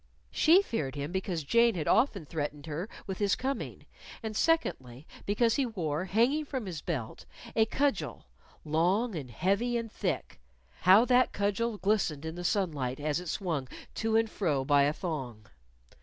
She feared him because Jane had often threatened her with his coming; and, secondly, because he wore, hanging from his belt, a cudgel long and heavy and thick. How that cudgel glistened in the sunlight as it swung to and fro by a thong!